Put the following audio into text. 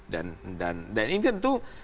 dan intinya itu